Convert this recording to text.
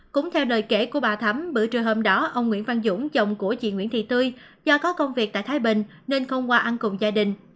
cũng theo lời kể của bà thấm bữa trưa hôm đó ông nguyễn văn dũng chồng của chị nguyễn thị tươi do có công việc tại thái bình nên không qua ăn cùng gia đình